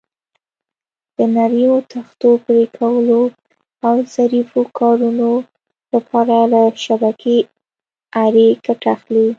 د نریو تختو پرېکولو او ظریفو کارونو لپاره له شبکې آرې ګټه اخلي.